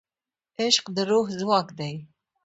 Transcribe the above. عشق د روح ځواک دی.